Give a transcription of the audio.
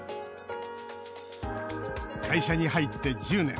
会社に入って１０年。